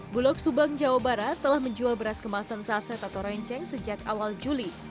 bulog subang jawa barat telah menjual beras kemasan saset atau renceng sejak awal juli